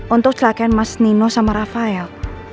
untuk celakaan mas nino sama rafael